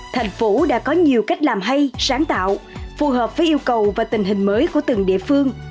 thành phố đã có nhiều cách làm hay sáng tạo phù hợp với yêu cầu và tình hình mới của từng địa phương